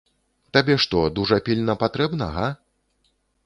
Табе што, дужа пільна патрэбна, га?